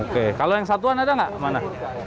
oke kalau yang satuan ada nggak mana